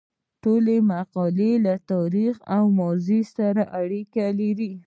ټولې مقالې له تاریخ او ماضي سره اړیکه لري.